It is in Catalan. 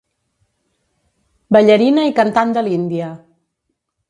Ballarina i cantant de l'Índia.